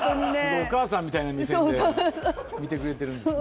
お母さんみたいな目線で見てくれているんですね。